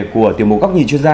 của tiểu mục góc nhìn chuyên gia